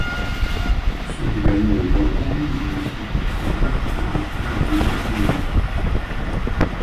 Sont également au programme des freins en céramique et des trains roulants inédits.